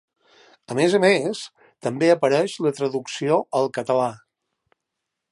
A més a més, també apareix la traducció al català.